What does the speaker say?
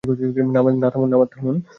না, থামুন!